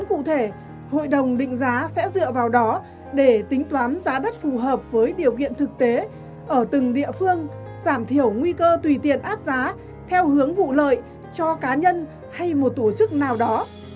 cụ thể hội đồng định giá sẽ dựa vào đó để tính toán giá theo hướng vụ lợi cho cá nhân hay một tổ chức nào đó